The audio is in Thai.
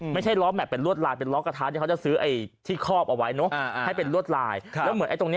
ไม่ใช่ร้อแม็กซ์เป็นรวดลายเป็นร้อกระทัดเนี่ยเขาจะซื้อไอที่ครอบเอาไว้เนาะ